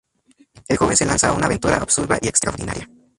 El joven se lanza a una aventura absurda y extraordinaria.